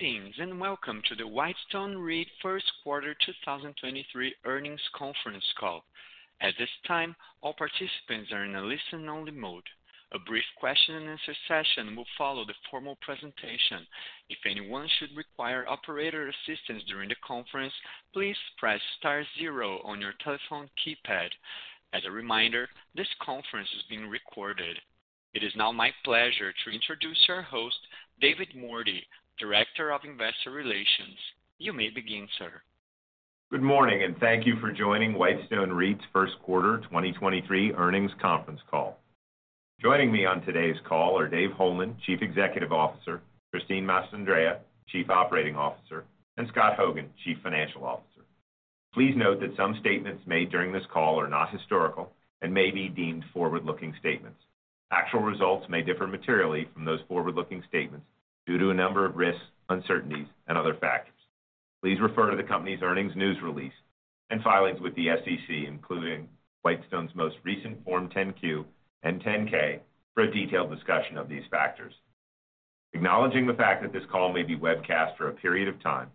Greetings, welcome to the Whitestone REIT First Quarter 2023 Earnings Conference Call. At this time, all participants are in a listen-only mode. A brief question-and-answer session will follow the formal presentation. If anyone should require operator assistance during the conference, please press star zero on your telephone keypad. As a reminder, this conference is being recorded. It is now my pleasure to introduce our host, David Mordy, Director of Investor Relations. You may begin, sir. Good morning, and thank you for joining Whitestone REIT's First Quarter 2023 Earnings conference call. Joining me on today's call are Dave Holeman, Chief Executive Officer, Christine Mastandrea, Chief Operating Officer, and Scott Hogan, Chief Financial Officer. Please note that some statements made during this call are not historical and may be deemed forward-looking statements. Actual results may differ materially from those forward-looking statements due to a number of risks, uncertainties, and other factors. Please refer to the company's earnings news release and filings with the SEC, including Whitestone's most recent Form 10-Q and Form 10-K for a detailed discussion of these factors. Acknowledging the fact that this call may be webcast for a period of time,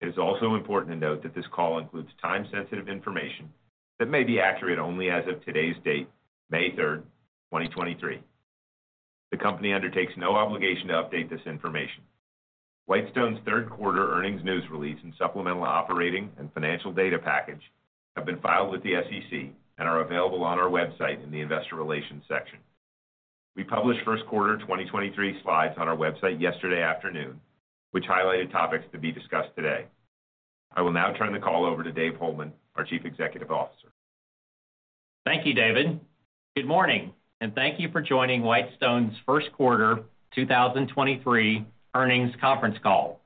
it is also important to note that this call includes time-sensitive information that may be accurate only as of today's date, May 3, 2023. The company undertakes no obligation to update this information. Whitestone's third quarter earnings news release and supplemental operating and financial data package have been filed with the SEC and are available on our website in the Investor Relations section. We published first quarter 2023 slides on our website yesterday afternoon, which highlighted topics to be discussed today. I will now turn the call over to Dave Holeman, our Chief Executive Officer. Thank you, David. Good morning, thank you for joining Whitestone's 1st quarter 2023 earnings conference call.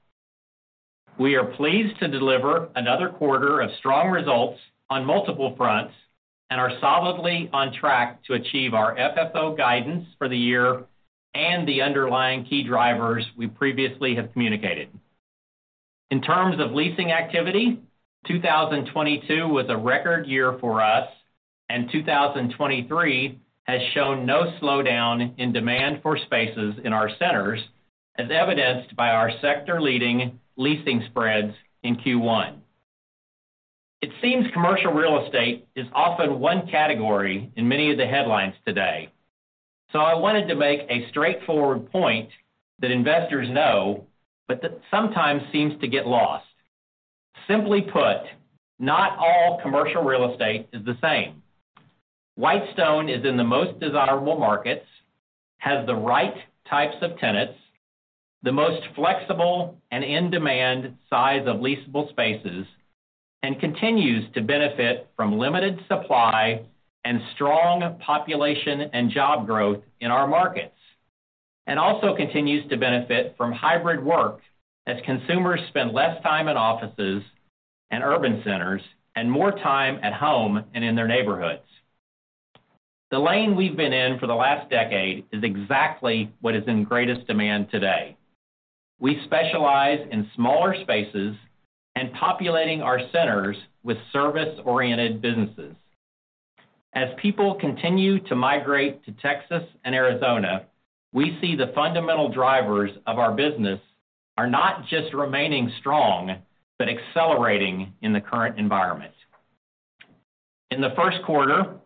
We are pleased to deliver another quarter of strong results on multiple fronts and are solidly on track to achieve our FFO guidance for the year and the underlying key drivers we previously have communicated. In terms of leasing activity, 2022 was a record year for us, and 2023 has shown no slowdown in demand for spaces in our centers, as evidenced by our sector-leading leasing spreads in Q1. It seems commercial real estate is often one category in many of the headlines today. I wanted to make a straightforward point that investors know but that sometimes seems to get lost. Simply put, not all commercial real estate is the same. Whitestone is in the most desirable markets, has the right types of tenants, the most flexible and in-demand size of leasable spaces, and continues to benefit from limited supply and strong population and job growth in our markets. Also continues to benefit from hybrid work as consumers spend less time in offices and urban centers and more time at home and in their neighborhoods. The lane we've been in for the last decade is exactly what is in greatest demand today. We specialize in smaller spaces and populating our centers with service-oriented businesses. As people continue to migrate to Texas and Arizona, we see the fundamental drivers of our business are not just remaining strong, but accelerating in the current environment. In the first quarter,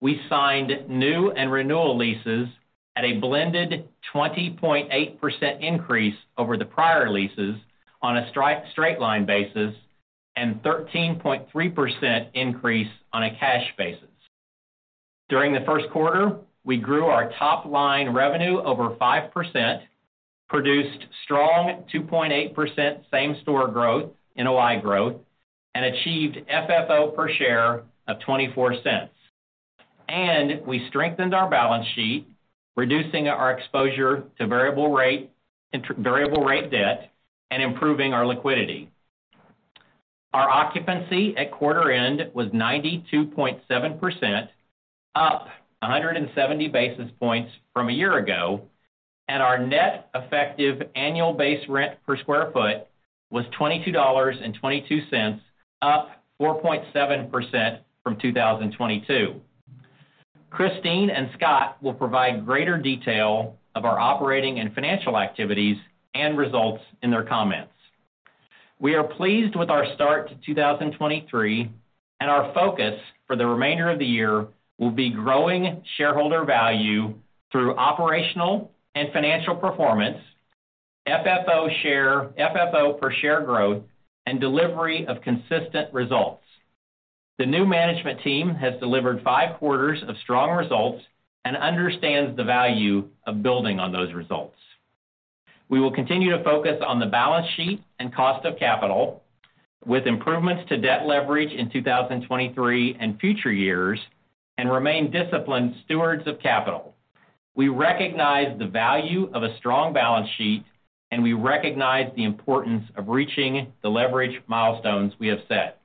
we signed new and renewal leases at a blended 20.8% increase over the prior leases on a straight line basis, and 13.3% increase on a cash basis. During the first quarter, we grew our top-line revenue over 5%, produced strong 2.8% same-store growth, NOI growth, and achieved FFO per share of $0.24. We strengthened our balance sheet, reducing our exposure to variable rate debt and improving our liquidity. Our occupancy at quarter end was 92.7%, up 170 basis points from a year ago, and our net effective annual base rent per square foot was $22.22, up 4.7% from 2022. Christine and Scott will provide greater detail of our operating and financial activities and results in their comments. We are pleased with our start to 2023. Our focus for the remainder of the year will be growing shareholder value through operational and financial performance, FFO per share growth, and delivery of consistent results. The new management team has delivered five quarters of strong results and understands the value of building on those results. We will continue to focus on the balance sheet and cost of capital with improvements to debt leverage in 2023 and future years and remain disciplined stewards of capital. We recognize the value of a strong balance sheet. We recognize the importance of reaching the leverage milestones we have set.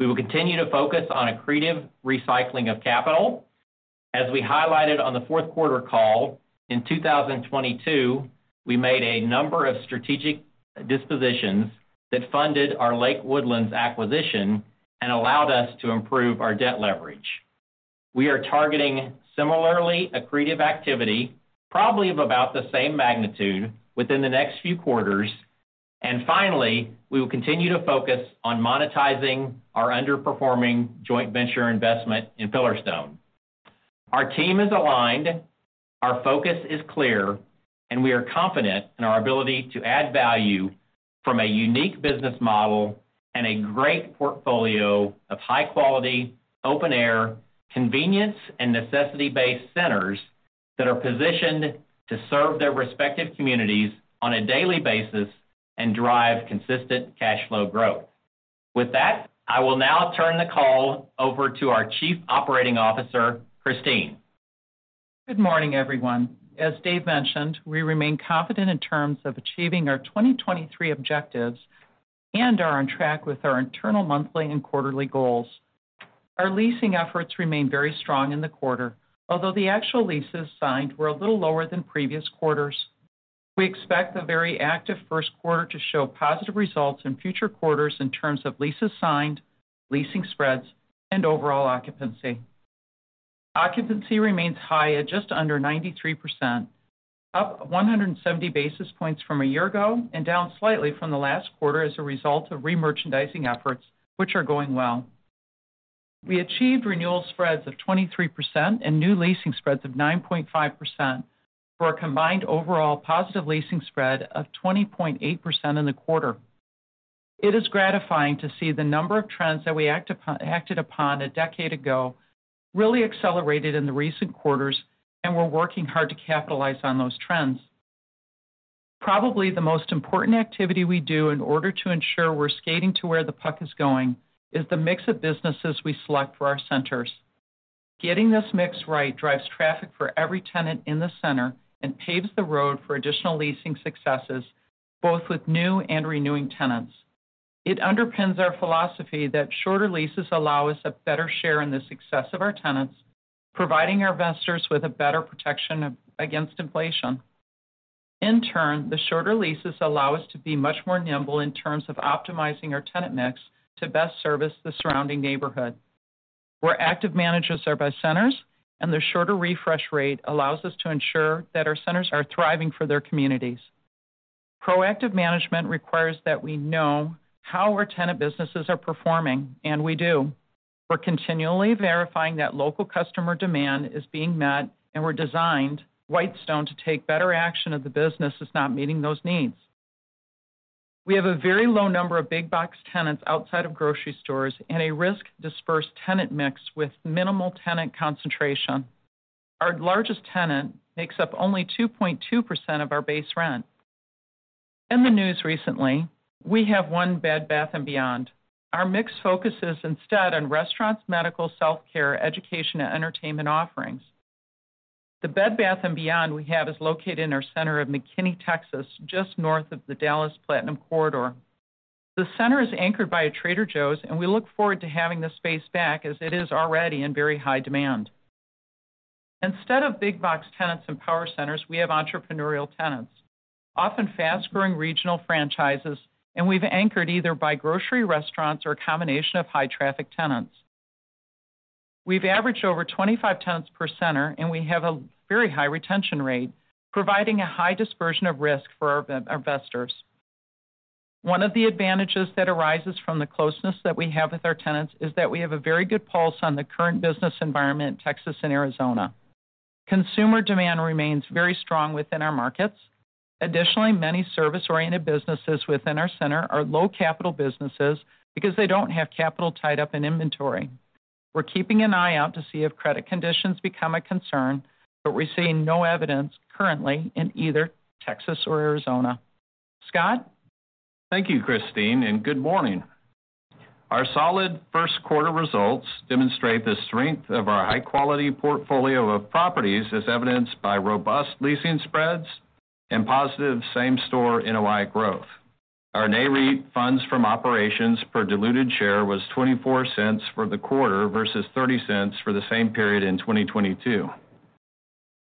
We will continue to focus on accretive recycling of capital. As we highlighted on the fourth quarter call, in 2022, we made a number of strategic dispositions that funded our Lake Woodlands acquisition and allowed us to improve our debt leverage. We are targeting similarly accretive activity, probably of about the same magnitude within the next few quarters. Finally, we will continue to focus on monetizing our underperforming joint venture investment in Pillarstone. Our team is aligned, our focus is clear, and we are confident in our ability to add value from a unique business model and a great portfolio of high quality, open air, convenience, and necessity-based centers that are positioned to serve their respective communities on a daily basis and drive consistent cash flow growth. With that, I will now turn the call over to our Chief Operating Officer, Christine. Good morning, everyone. As Dave mentioned, we remain confident in terms of achieving our 2023 objectives and are on track with our internal monthly and quarterly goals. Our leasing efforts remain very strong in the quarter. The actual leases signed were a little lower than previous quarters. We expect the very active first quarter to show positive results in future quarters in terms of leases signed, leasing spreads, and overall occupancy. Occupancy remains high at just under 93%, up 170 basis points from a year ago and down slightly from the last quarter as a result of re-merchandising efforts, which are going well. We achieved renewal spreads of 23% and new leasing spreads of 9.5% for a combined overall positive leasing spread of 20.8% in the quarter. It is gratifying to see the number of trends that we act upon, acted upon a decade ago really accelerated in the recent quarters, and we're working hard to capitalize on those trends. Probably the most important activity we do in order to ensure we're skating to where the puck is going is the mix of businesses we select for our centers. Getting this mix right drives traffic for every tenant in the center and paves the road for additional leasing successes, both with new and renewing tenants. It underpins our philosophy that shorter leases allow us a better share in the success of our tenants, providing our investors with a better protection of, against inflation. In turn, the shorter leases allow us to be much more nimble in terms of optimizing our tenant mix to best service the surrounding neighborhood, where active managers are by centers. Their shorter refresh rate allows us to ensure that our centers are thriving for their communities. Proactive management requires that we know how our tenant businesses are performing. We do. We're continually verifying that local customer demand is being met. We're designed Whitestone to take better action if the business is not meeting those needs. We have a very low number of big box tenants outside of grocery stores and a risk-dispersed tenant mix with minimal tenant concentration. Our largest tenant makes up only 2.2% of our base rent. In the news recently, we have one Bed Bath & Beyond. Our mix focuses instead on restaurants, medical, self-care, education, and entertainment offerings. The Bed Bath & Beyond we have is located in our center of McKinney, Texas, just north of the Dallas Platinum Corridor. The center is anchored by a Trader Joe's. We look forward to having the space back as it is already in very high demand. Instead of big box tenants and power centers, we have entrepreneurial tenants, often fast-growing regional franchises. We've anchored either by grocery restaurants or a combination of high-traffic tenants. We've averaged over 25 tenants per center. We have a very high retention rate, providing a high dispersion of risk for our investors. One of the advantages that arises from the closeness that we have with our tenants is that we have a very good pulse on the current business environment in Texas and Arizona. Consumer demand remains very strong within our markets. Additionally, many service-oriented businesses within our center are low capital businesses because they don't have capital tied up in inventory. We're keeping an eye out to see if credit conditions become a concern, but we're seeing no evidence currently in either Texas or Arizona. Scott? Thank you, Christine, and good morning. Our solid first quarter results demonstrate the strength of our high-quality portfolio of properties, as evidenced by robust leasing spreads and positive same-store NOI growth. Our NAREIT Funds From Operations per diluted share was $0.24 for the quarter versus $0.30 for the same period in 2022.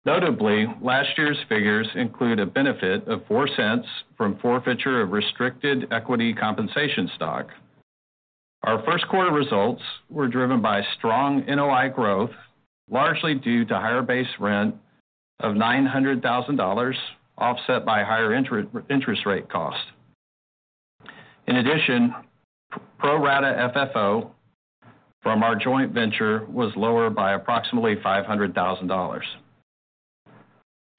Notably, last year's figures include a benefit of $0.04 from forfeiture of restricted equity compensation stock. Our first quarter results were driven by strong NOI growth, largely due to higher base rent of $900,000, offset by higher inter-interest rate costs. In addition, pro rata FFO from our joint venture was lower by approximately $500,000.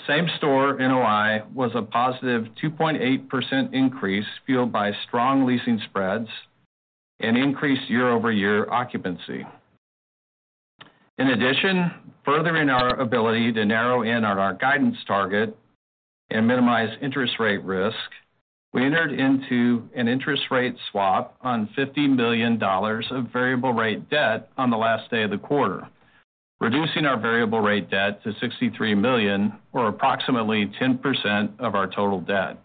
Same-store NOI was a positive 2.8% increase, fueled by strong leasing spreads and increased year-over-year occupancy. Furthering our ability to narrow in on our guidance target and minimize interest rate risk, we entered into an interest rate swap on $50 million of variable rate debt on the last day of the quarter, reducing our variable rate debt to $63 million or approximately 10% of our total debt.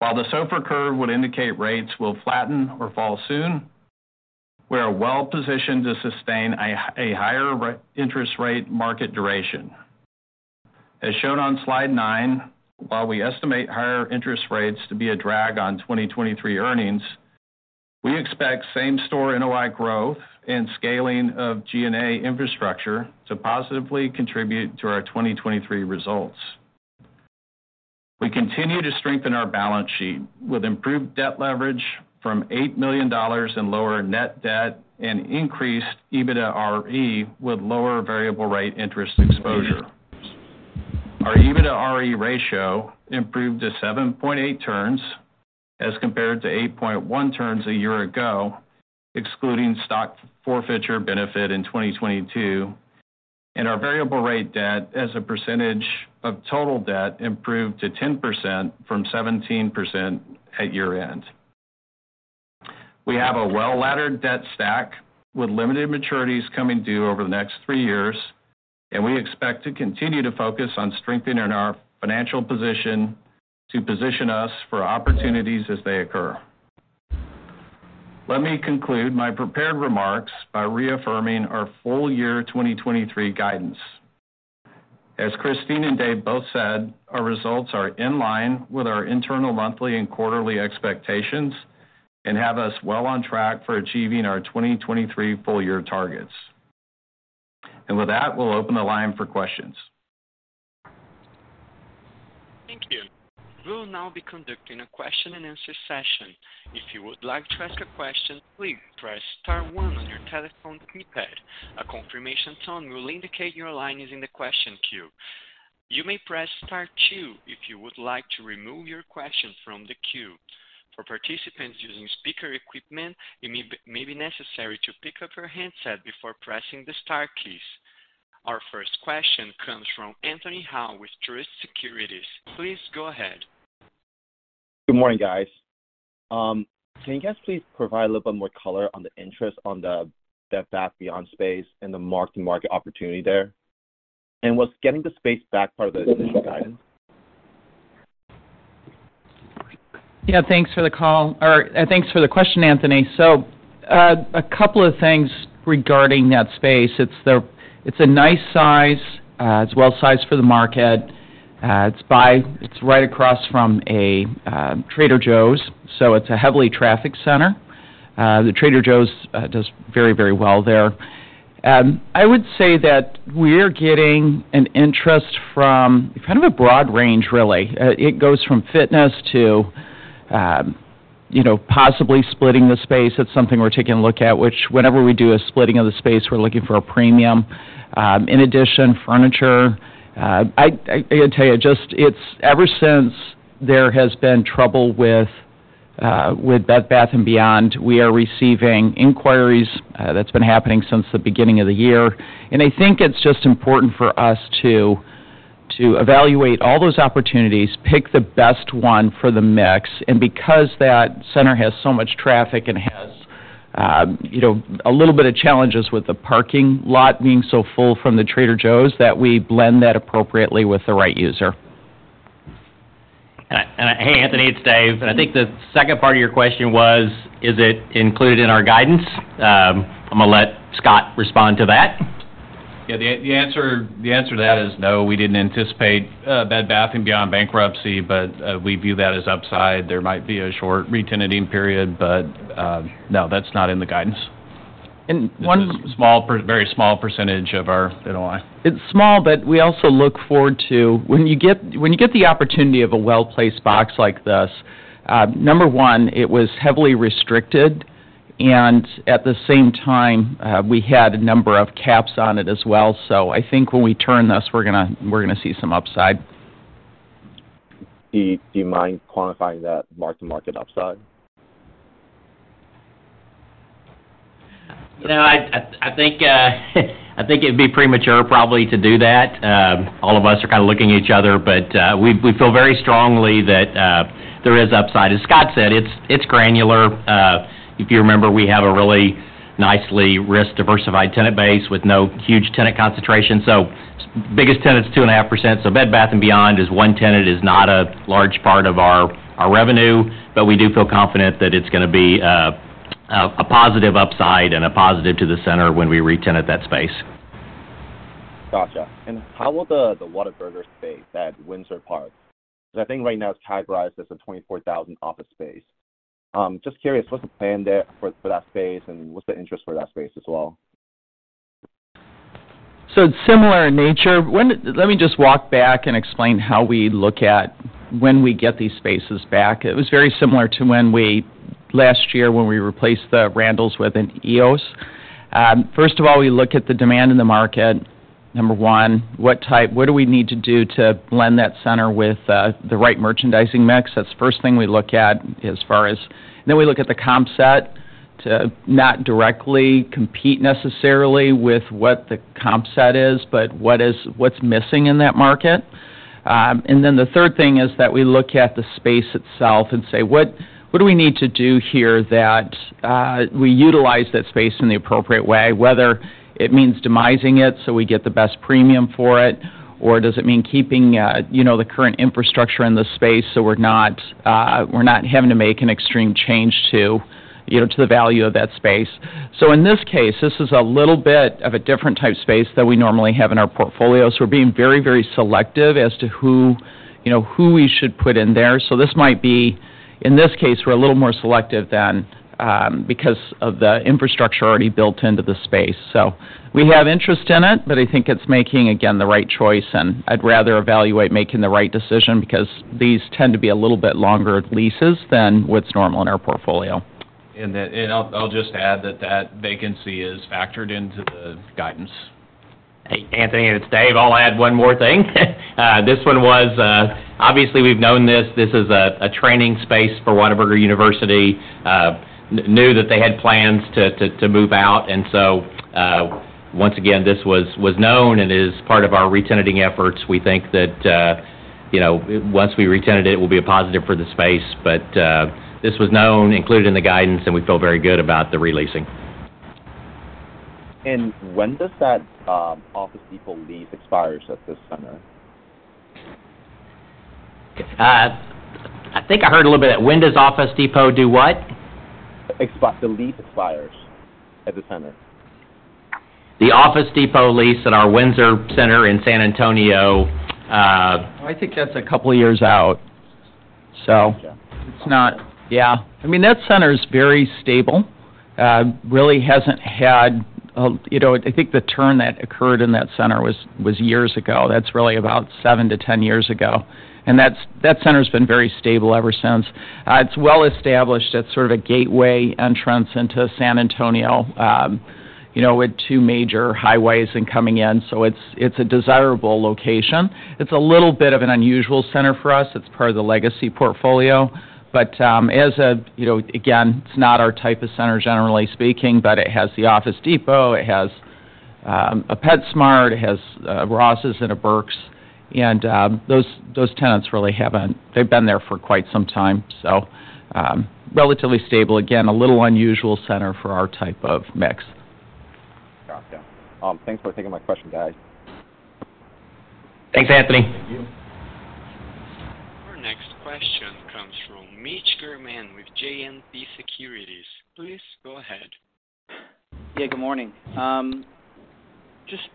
The SOFR curve would indicate rates will flatten or fall soon, we are well positioned to sustain a higher interest rate market duration. Shown on slide nine, while we estimate higher interest rates to be a drag on 2023 earnings, we expect same-store NOI growth and scaling of G&A infrastructure to positively contribute to our 2023 results. We continue to strengthen our balance sheet with improved debt leverage from $8 million in lower net debt and increased EBITDARE with lower variable rate interest exposure. Our EBITDAre ratio improved to 7.8 turns as compared to 8.1 turns a year ago, excluding stock forfeiture benefit in 2022, and our variable rate debt as a percentage of total debt improved to 10% from 17% at year-end. We have a well-laddered debt stack with limited maturities coming due over the next three years, and we expect to continue to focus on strengthening our financial position to position us for opportunities as they occur. Let me conclude my prepared remarks by reaffirming our full year 2023 guidance. As Christine and Dave both said, our results are in line with our internal monthly and quarterly expectations and have us well on track for achieving our 2023 full year targets. With that, we'll open the line for questions. Thank you. We'll now be conducting a question-and-answer session. If you would like to ask a question, please press star one on your telephone keypad. A confirmation tone will indicate your line is in the question queue. You may press star two if you would like to remove your question from the queue. For participants using speaker equipment, it may be necessary to pick up your handset before pressing the star keys. Our first question comes from Anthony Hau with Truist Securities. Please go ahead. Good morning, guys. Can you guys please provide a little bit more color on the interest on the Bed Bath & Beyond space and the mark-to-market opportunity there? Was getting the space back part of the initial guidance? Yeah, thanks for the call or thanks for the question, Anthony. A couple of things regarding that space. It's a nice size. It's well-sized for the market. It's right across from a Trader Joe's, so it's a heavily trafficked center. The Trader Joe's does very, very well there. I would say that we're getting an interest from kind of a broad range really. It goes from fitness to, you know, possibly splitting the space. That's something we're taking a look at, which whenever we do a splitting of the space, we're looking for a premium. In addition, furniture. Let me tell you, it's ever since there has been trouble with Bed Bath & Beyond, we are receiving inquiries. That's been happening since the beginning of the year. I think it's just important for us to evaluate all those opportunities, pick the best one for the mix, and because that center has so much traffic and has, you know, a little bit of challenges with the parking lot being so full from the Trader Joe's, that we blend that appropriately with the right user. Hey, Anthony, it's Dave. I think the second part of your question was, is it included in our guidance? I'm gonna let Scott respond to that. Yeah, the answer to that is no, we didn't anticipate Bed Bath & Beyond bankruptcy, but we view that as upside. There might be a short re-tenanting period, but no, that's not in the guidance. And one- very small % of our NOI. It's small, but we also look forward to, when you get the opportunity of a well-placed box like this, number one, it was heavily restricted, and at the same time, we had a number of caps on it as well. I think when we turn this, we're gonna see some upside. Do you mind quantifying that mark-to-market upside? You know, I think it'd be premature probably to do that. All of us are kind of looking at each other, we feel very strongly that there is upside. As Scott said, it's granular. If you remember, we have a really nicely risk-diversified tenant base with no huge tenant concentration. Biggest tenant's 2.5%. Bed Bath & Beyond is one tenant, is not a large part of our revenue, we do feel confident that it's gonna be a positive upside and a positive to the center when we re-tenant that space. Gotcha. How will the Whataburger space at Windsor Park? 'Cause I think right now it's categorized as a 24,000 office space. Just curious, what's the plan there for that space and what's the interest for that space as well? It's similar in nature. Let me just walk back and explain how we look at when we get these spaces back. It was very similar to last year when we replaced the Randalls with an EOS. First of all, we look at the demand in the market, number one, what do we need to do to blend that center with the right merchandising mix? That's the first thing we look at as far as... We look at the comp set to not directly compete necessarily with what the comp set is, but what's missing in that market. The third thing is that we look at the space itself and say, "What do we need to do here that we utilize that space in the appropriate way, whether it means demising it, so we get the best premium for it, or does it mean keeping, you know, the current infrastructure in the space, so we're not, we're not having to make an extreme change to, you know, to the value of that space?" In this case, this is a little bit of a different type of space than we normally have in our portfolio. We're being very selective as to who, you know, who we should put in there. In this case, we're a little more selective than because of the infrastructure already built into the space. We have interest in it, but I think it's making, again, the right choice, and I'd rather evaluate making the right decision because these tend to be a little bit longer leases than what's normal in our portfolio. I'll just add that that vacancy is factored into the guidance. Hey, Anthony Hau, it's Dave Holeman. I'll add one more thing. This one was obviously we've known this. This is a training space for Whataburger University. Knew that they had plans to move out. Once again, this was known and is part of our re-tenanting efforts. We think that, you know, once we re-tenant it will be a positive for the space. This was known, included in the guidance, and we feel very good about the re-leasing. When does that Office Depot lease expires at the center? I think I heard a little bit. When does Office Depot do what? The lease expires at the center. The Office Depot lease at our Windsor Center in San Antonio. I think that's a couple years out. Yeah. Yeah. I mean, that center is very stable. really hasn't had, you know, I think the turn that occurred in that center was years ago. That's really about 7-10 years ago. That center's been very stable ever since. It's well established. It's sort of a gateway entrance into San Antonio, you know, with two major highways and coming in, so it's a desirable location. It's a little bit of an unusual center for us. It's part of the legacy portfolio. as a, you know, again, it's not our type of center, generally speaking, but it has the Office Depot, it has a PetSmart, it has Rosses and a Burkes. Those tenants really haven't. They've been there for quite some time, so, relatively stable. Again, a little unusual center for our type of mix. Gotcha. Thanks for taking my question, guys. Thanks, Anthony. Thank you. Our next question comes from Mitch Germain with JMP Securities. Please go ahead. Yeah, good morning. Just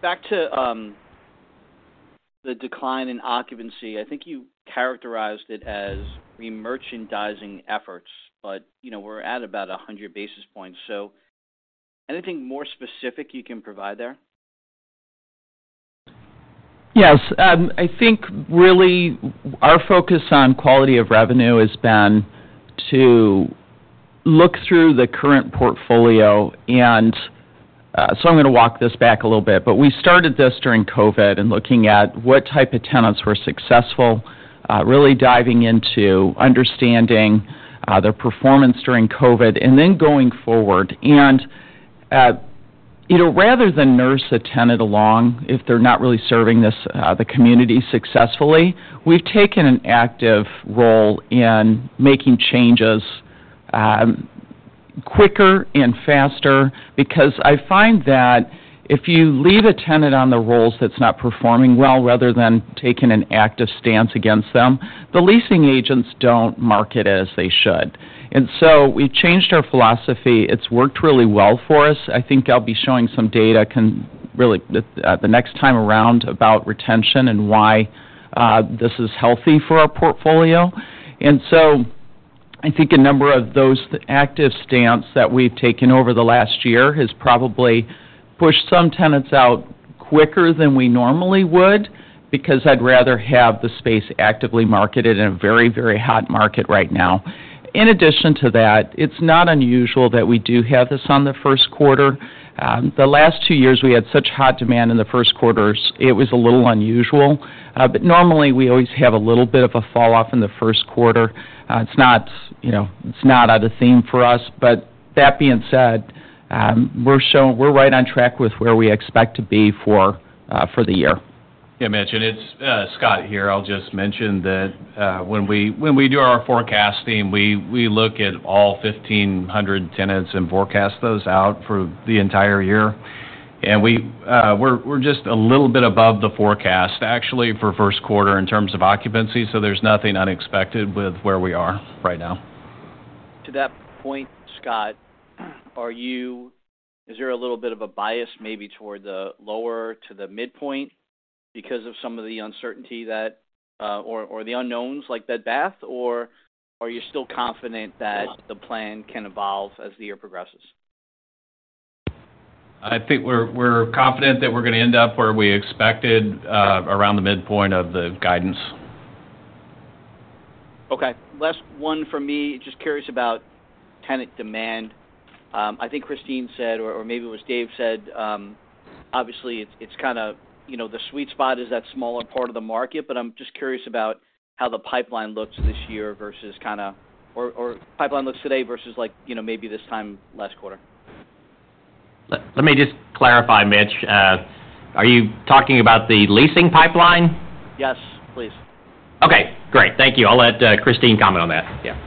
back to the decline in occupancy. I think you characterized it as remerchandising efforts, but, you know, we're at about 100 basis points. Anything more specific you can provide there? Yes. I think really our focus on quality of revenue has been to look through the current portfolio. I'm gonna walk this back a little bit, but we started this during COVID in looking at what type of tenants were successful, really diving into understanding their performance during COVID, and then going forward. You know, rather than nurse a tenant along if they're not really serving this, the community successfully, we've taken an active role in making changes quicker and faster because I find that if you leave a tenant on the rolls that's not performing well rather than taking an active stance against them, the leasing agents don't market it as they should. We changed our philosophy. It's worked really well for us. I think I'll be showing some data really the next time around about retention and why this is healthy for our portfolio. I think a number of those active stance that we've taken over the last year has probably pushed some tenants out quicker than we normally would because I'd rather have the space actively marketed in a very, very hot market right now. In addition to that, it's not unusual that we do have this on the first quarter. The last two years, we had such hot demand in the first quarters, it was a little unusual. Normally, we always have a little bit of a fall off in the first quarter. It's not, you know, it's not out of theme for us. That being said, we're right on track with where we expect to be for the year. Yeah, Mitch, it's Scott here. I'll just mention that when we do our forecasting, we look at all 1,500 tenants and forecast those out for the entire year. We're just a little bit above the forecast actually for first quarter in terms of occupancy, so there's nothing unexpected with where we are right now. To that point, Scott, is there a little bit of a bias maybe toward the lower to the midpoint because of some of the uncertainty that, or the unknowns like Bed Bath? Are you still confident that the plan can evolve as the year progresses? I think we're confident that we're gonna end up where we expected, around the midpoint of the guidance. Okay. Last one for me. Just curious about tenant demand. I think Christine said, or maybe it was Dave said, obviously it's kinda, you know, the sweet spot is that smaller part of the market. I'm just curious about how the pipeline looks this year versus pipeline looks today versus like, you know, maybe this time last quarter. Let me just clarify, Mitch. Are you talking about the leasing pipeline? Yes, please. Okay, great. Thank you. I'll let Christine comment on that. Yeah.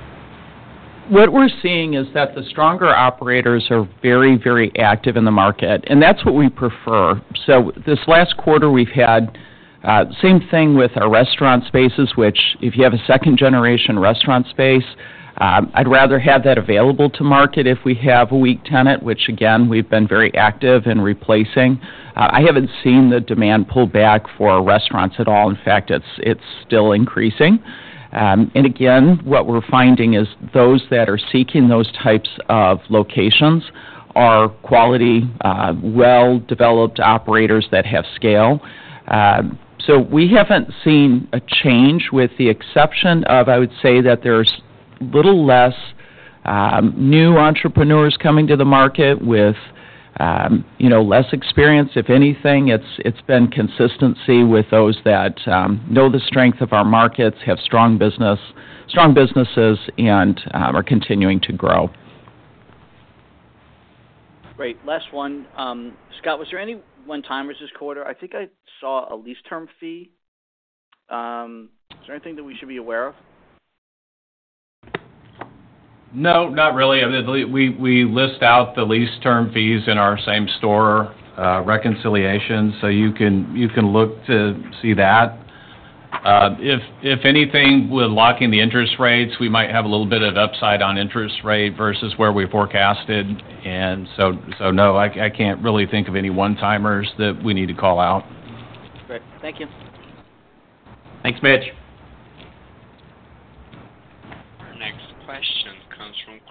What we're seeing is that the stronger operators are very, very active in the market, and that's what we prefer. This last quarter we've had, same thing with our restaurant spaces, which if you have a second-generation restaurant space, I'd rather have that available to market if we have a weak tenant, which again, we've been very active in replacing. I haven't seen the demand pull back for restaurants at all. In fact, it's still increasing. Again, what we're finding is those that are seeking those types of locations are quality, well-developed operators that have scale. We haven't seen a change with the exception of, I would say that there's little less, new entrepreneurs coming to the market with, you know, less experience. If anything, it's been consistency with those that know the strength of our markets, have strong businesses, and are continuing to grow. Great. Last one. Scott, was there any one-timers this quarter? I think I saw a lease term fee. Is there anything that we should be aware of? No, not really. I mean, we list out the lease term fees in our same-store reconciliation. You can look to see that. If anything, with locking the interest rates, we might have a little bit of upside on interest rate versus where we forecasted. No, I can't really think of any one-timers that we need to call out. Great. Thank you. Thanks, Mitch.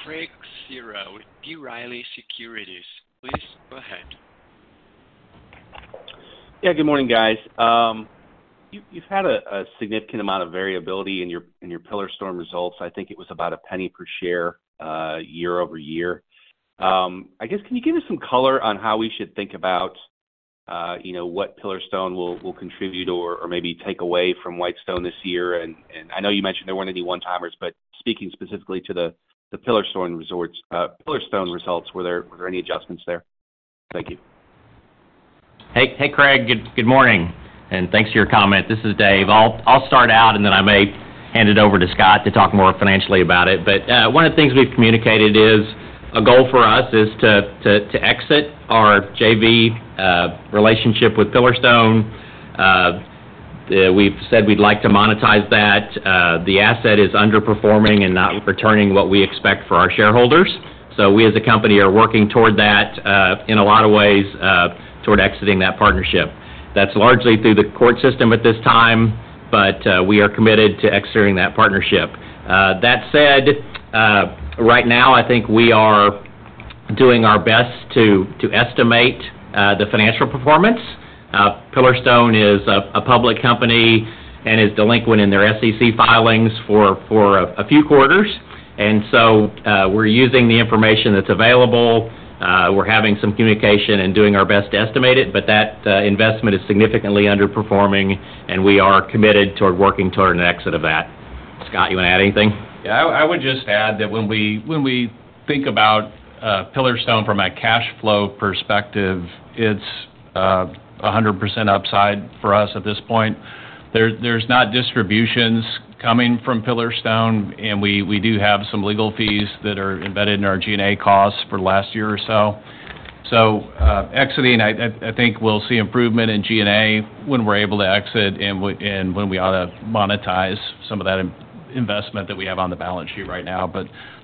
Our next question comes from John Massocca with B. Riley Securities. Please go ahead. Yeah, good morning, guys. You've had a significant amount of variability in your Pillarstone results. I think it was about $0.01 per share year-over-year. I guess, can you give us some color on how we should think about, you know, what Pillarstone will contribute or maybe take away from Whitestone this year? I know you mentioned there weren't any one-timers, but speaking specifically to the Pillarstone results, were there any adjustments there? Thank you. Hey, hey, John. Good morning, and thanks for your comment. This is Dave. I'll start out and then I may hand it over to Scott to talk more financially about it. One of the things we've communicated is a goal for us is to exit our JV relationship with Pillarstone. We've said we'd like to monetize that. The asset is underperforming and not returning what we expect for our shareholders. We, as a company, are working toward that, in a lot of ways, toward exiting that partnership. That's largely through the court system at this time. We are committed to exiting that partnership. That said, right now I think we are doing our best to estimate the financial performance. Pillarstone is a public company and is delinquent in their SEC filings for a few quarters. We're using the information that's available. We're having some communication and doing our best to estimate it, but that investment is significantly underperforming, and we are committed toward working toward an exit of that. Scott, you wanna add anything? I would just add that when we think about Pillarstone from a cash flow perspective, it's a 100% upside for us at this point. There's not distributions coming from Pillarstone, and we do have some legal fees that are embedded in our G&A costs for the last year or so. Exiting, I think we'll see improvement in G&A when we're able to exit and when we ought to monetize some of that in-investment that we have on the balance sheet right now.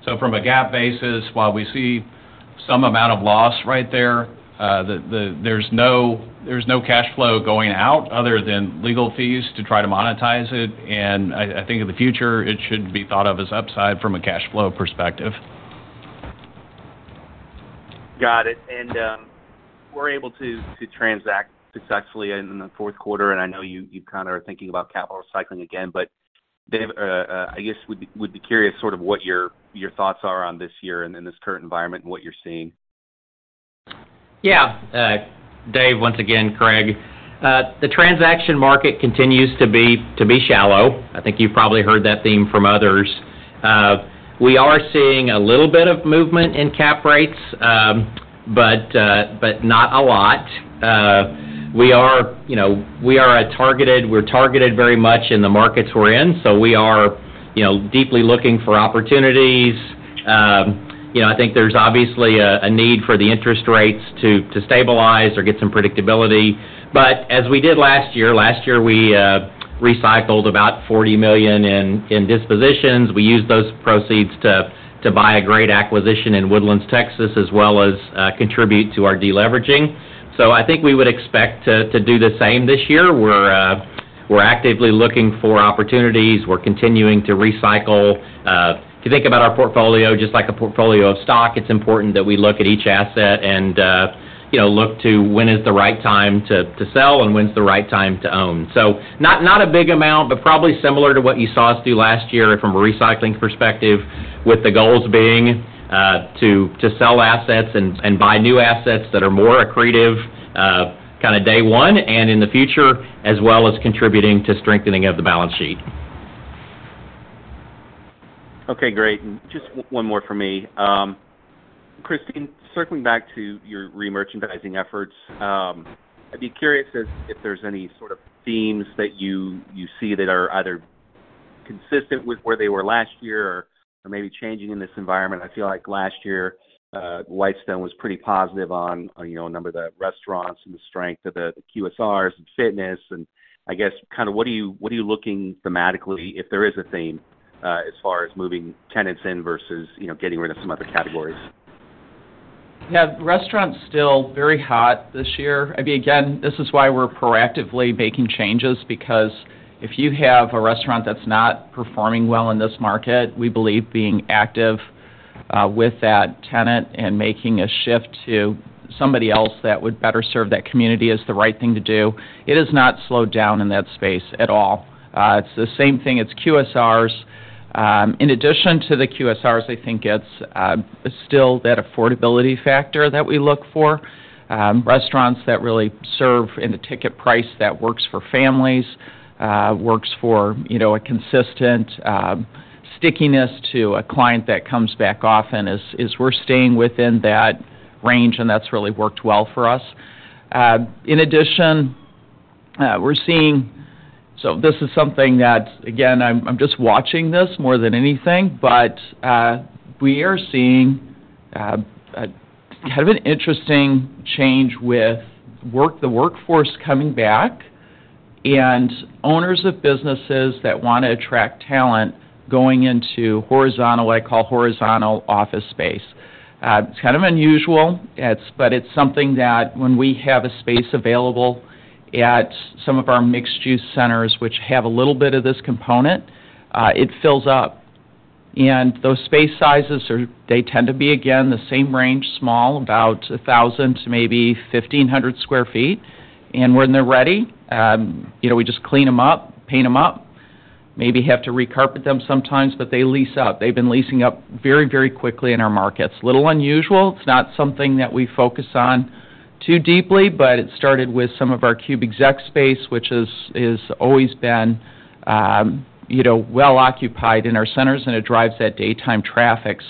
From a GAAP basis, while we see some amount of loss right there, the, there's no cash flow going out other than legal fees to try to monetize it. I think in the future, it should be thought of as upside from a cash flow perspective. Got it. We're able to transact successfully in the fourth quarter, and I know you kind of are thinking about capital recycling again. Dave, I guess would be curious sort of what your thoughts are on this year and in this current environment and what you're seeing? Yeah. Dave, once again, John. The transaction market continues to be shallow. I think you've probably heard that theme from others. We are seeing a little bit of movement in cap rates, but not a lot. We are, you know, we're targeted very much in the markets we're in, we are, you know, deeply looking for opportunities. You know, I think there's obviously a need for the interest rates to stabilize or get some predictability. As we did last year, we recycled about $40 million in dispositions. We used those proceeds to buy a great acquisition in The Woodlands, Texas, as well as contribute to our deleveraging. I think we would expect to do the same this year. We're actively looking for opportunities. We're continuing to recycle. If you think about our portfolio, just like a portfolio of stock, it's important that we look at each asset and, you know, look to when is the right time to sell and when's the right time to own. Not a big amount, but probably similar to what you saw us do last year from a recycling perspective, with the goals being to sell assets and buy new assets that are more accretive kind of day one and in the future, as well as contributing to strengthening of the balance sheet. Okay, great. Just one more for me. Christine, circling back to your remerchandising efforts, I'd be curious if there's any sort of themes that you see that are either consistent with where they were last year or maybe changing in this environment. I feel like last year, Whitestone was pretty positive on, you know, a number of the restaurants and the strength of the QSRs and fitness. I guess kind of what are you looking thematically, if there is a theme, as far as moving tenants in versus, you know, getting rid of some other categories? Yeah, restaurant's still very hot this year. Again, this is why we're proactively making changes because if you have a restaurant that's not performing well in this market, we believe being active with that tenant and making a shift to somebody else that would better serve that community is the right thing to do. It has not slowed down in that space at all. It's the same thing as QSRs. In addition to the QSRs, I think it's still that affordability factor that we look for. Restaurants that really serve in the ticket price that works for families, works for, you know, a consistent stickiness to a client that comes back often is we're staying within that range, and that's really worked well for us. In addition, we're seeing this is something that's, again, I'm just watching this more than anything, but we are seeing kind of an interesting change with the workforce coming back and owners of businesses that wanna attract talent going into horizontal, I call horizontal office space. It's kind of unusual, but it's something that when we have a space available at some of our mixed-use centers, which have a little bit of this component, it fills up. Those space sizes tend to be, again, the same range, small, about 1,000 to maybe 1,500 sq ft. When they're ready, you know, we just clean them up, paint them up, maybe have to recarpet them sometimes, but they lease up. They've been leasing up very quickly in our markets. Little unusual. It's not something that we focus on too deeply, but it started with some of our CUBExec space, which is always been, you know, well occupied in our centers, and it drives that daytime traffic.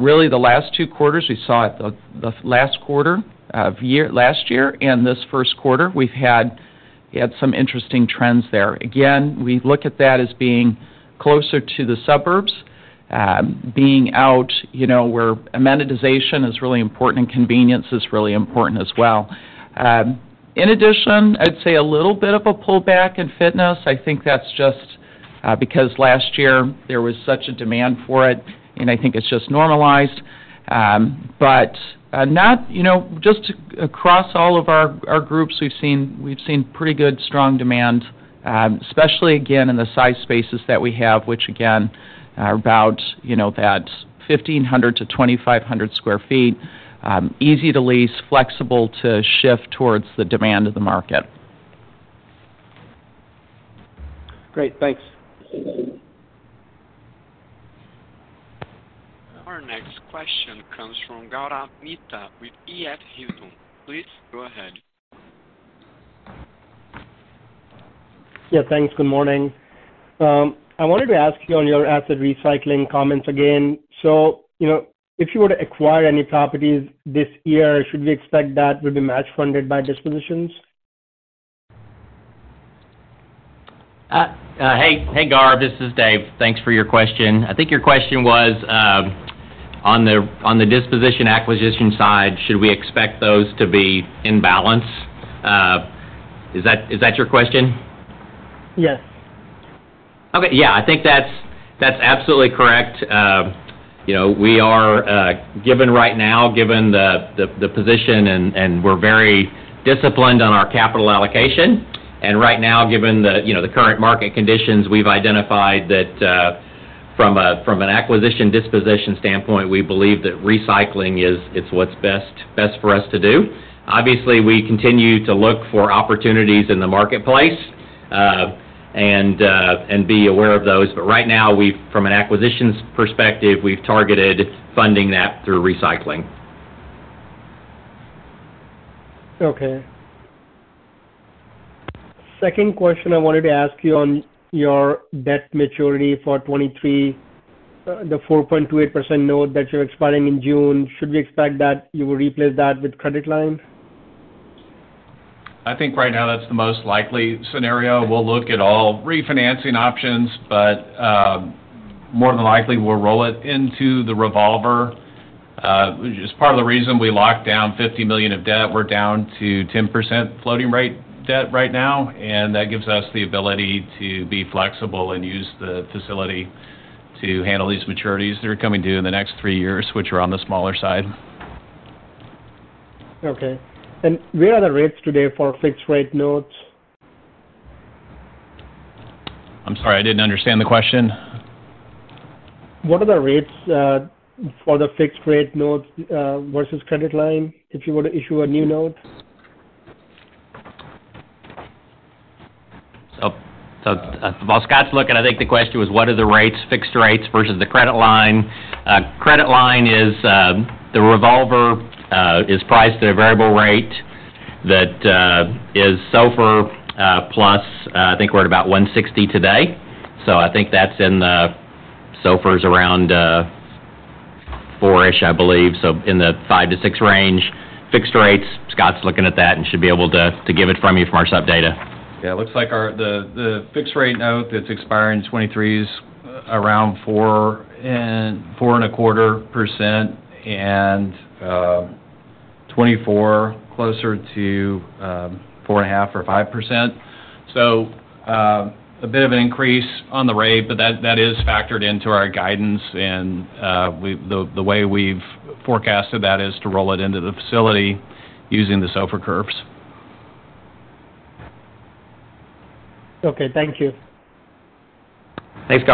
Really the last two quarters, we saw it the last quarter of last year and this 1st quarter, we had some interesting trends there. Again, we look at that as being closer to the suburbs, being out, you know, where amenitization is really important and convenience is really important as well. In addition, I'd say a little bit of a pullback in fitness. I think that's just because last year there was such a demand for it, and I think it's just normalized. Not, you know, just across all of our groups, we've seen pretty good, strong demand, especially again in the size spaces that we have, which again are about, you know, that 1,500-2,500 sq ft. Easy to lease, flexible to shift towards the demand of the market. Great. Thanks. Our next question comes from Gaurav Mehta with EF Hutton. Please go ahead. Yeah, thanks. Good morning. I wanted to ask you on your asset recycling comments again. You know, if you were to acquire any properties this year, should we expect that would be match funded by dispositions? hey Gaurav, this is Dave. Thanks for your question. I think your question was, on the disposition acquisition side, should we expect those to be in balance? Is that your question? Yes. Okay. Yeah, I think that's absolutely correct. You know, we are given right now, given the position and we're very disciplined on our capital allocation. Right now, given the, you know, the current market conditions, we've identified that from an acquisition disposition standpoint, we believe that recycling is what's best for us to do. Obviously, we continue to look for opportunities in the marketplace and be aware of those. Right now, we've from an acquisitions perspective, we've targeted funding that through recycling. Okay. Second question I wanted to ask you on your debt maturity for 2023, the 4.28% note that you're expiring in June. Should we expect that you will replace that with credit line? I think right now that's the most likely scenario. We'll look at all refinancing options, but more than likely, we'll roll it into the revolver. It's part of the reason we locked down $50 million of debt. We're down to 10% floating rate debt right now, and that gives us the ability to be flexible and use the facility to handle these maturities that are coming due in the next three years, which are on the smaller side. Okay. Where are the rates today for fixed rate notes? I'm sorry, I didn't understand the question. What are the rates, for the fixed rate notes, versus credit line, if you were to issue a new note? While Scott's looking, I think the question was, what are the rates, fixed rates versus the credit line? credit line is the revolver is priced at a variable rate that is SOFR plus I think we're at about 160 today. I think that's in the SOFRs around 4-ish, I believe, so in the 5-6 range. Fixed rates, Scott's looking at that and should be able to give it from you from our sub data. Yeah. It looks like the fixed rate note that's expiring in 2023 is around 4.25%. 24, closer to 4.5% or 5%. A bit of an increase on the rate, that is factored into our guidance and the way we've forecasted that is to roll it into the facility using the SOFR curves. Okay. Thank you. Thanks,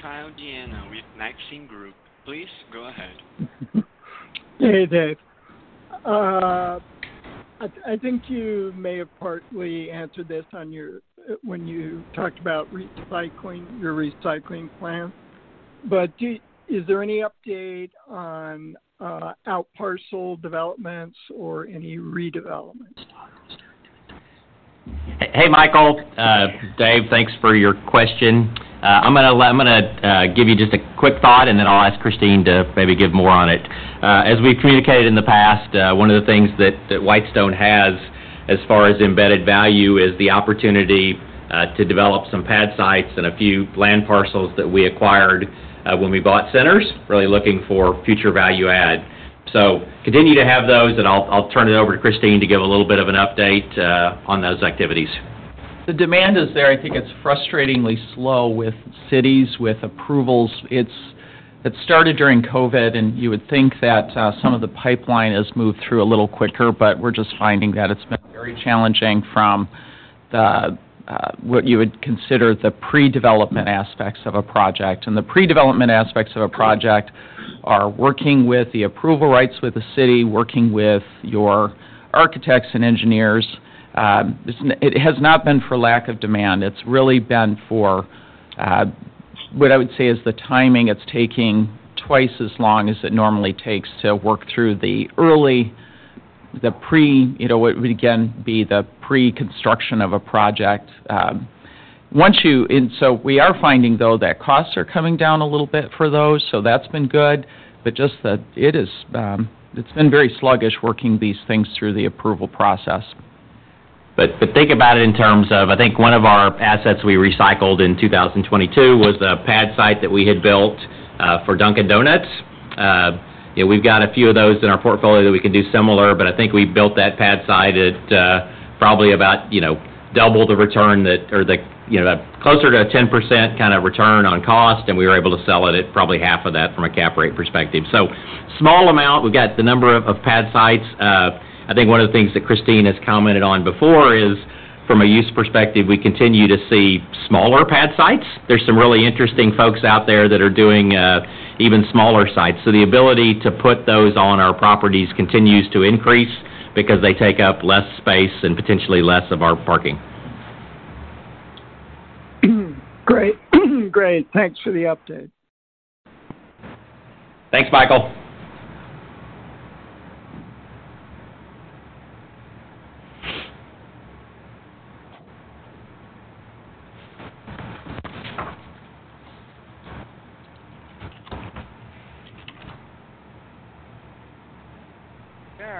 Gaurav. Our next question comes from Michael Diana with Maxim Group. Please go ahead. Hey, Dave. I think you may have partly answered this on your when you talked about recycling, your recycling plan, but is there any update on out parcel developments or any redevelopments? Hey, Michael. Dave, thanks for your question. I'm gonna give you just a quick thought, and then I'll ask Christine to maybe give more on it. As we've communicated in the past, one of the things that Whitestone has as far as embedded value is the opportunity to develop some pad sites and a few land parcels that we acquired when we bought centers, really looking for future value add. Continue to have those, and I'll turn it over to Christine to give a little bit of an update on those activities. The demand is there. I think it's frustratingly slow with cities, with approvals. It started during COVID, and you would think that some of the pipeline has moved through a little quicker, but we're just finding that it's been very challenging from the what you would consider the pre-development aspects of a project. The pre-development aspects of a project are working with the approval rights with the city, working with your architects and engineers. It has not been for lack of demand. It's really been for what I would say is the timing. It's taking twice as long as it normally takes to work through the early, the pre, you know, what would, again, be the pre-construction of a project. Once you... We are finding though that costs are coming down a little bit for those, so that's been good. It is, it's been very sluggish working these things through the approval process. Think about it in terms of, I think one of our assets we recycled in 2022 was the pad site that we had built for Dunkin' Donuts. You know, we've got a few of those in our portfolio that we can do similar, but I think we built that pad site at probably about, you know, double the return, closer to a 10% kinda return on cost, and we were able to sell it at probably half of that from a cap rate perspective. Small amount. We've got the number of pad sites. I think one of the things that Christine has commented on before is from a use perspective, we continue to see smaller pad sites. There's some really interesting folks out there that are doing even smaller sites. The ability to put those on our properties continues to increase because they take up less space and potentially less of our parking. Great. Thanks for the update. Thanks, Michael. There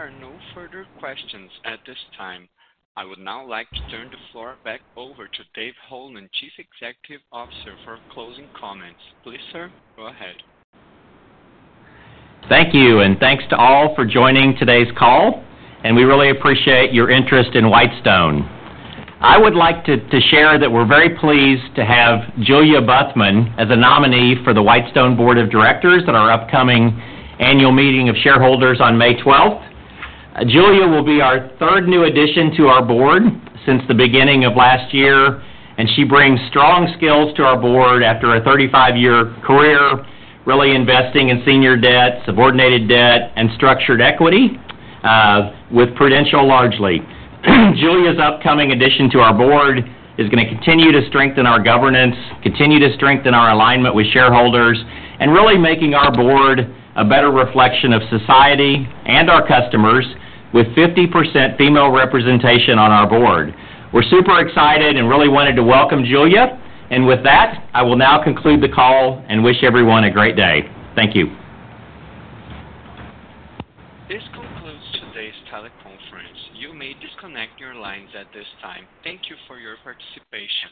are no further questions at this time. I would now like to turn the floor back over to Dave Holeman, Chief Executive Officer, for closing comments. Please, sir, go ahead. Thank you. Thanks to all for joining today's call, and we really appreciate your interest in Whitestone. I would like to share that we're very pleased to have Julia Buthman as a nominee for the Whitestone Board of Trustees at our upcoming annual meeting of shareholders on May 12th. Julia will be our third new addition to our board since the beginning of last year, and she brings strong skills to our board after a 35-year career, really investing in senior debt, subordinated debt, and structured equity with Prudential largely. Julia's upcoming addition to our board is gonna continue to strengthen our governance, continue to strengthen our alignment with shareholders, and really making our board a better reflection of society and our customers with 50% female representation on our board. We're super excited and really wanted to welcome Julia. With that, I will now conclude the call and wish everyone a great day. Thank you. This concludes today's teleconference. You may disconnect your lines at this time. Thank you for your participation.